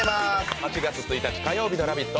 ８月１日火曜日の「ラヴィット！」